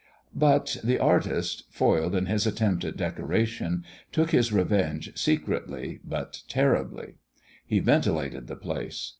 But the artist, foiled in his attempt at decoration, took his revenge secretly, but terribly. He ventilated the place.